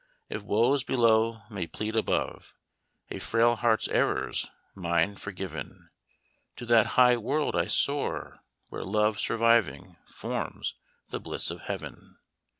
"If woes below may plead above A frail heart's errors, mine forgiven, To that 'high world' I soar, where 'love Surviving' forms the bliss of Heaven.